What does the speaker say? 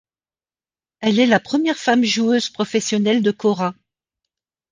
Elle est la première femme joueuse professionnelle de kora.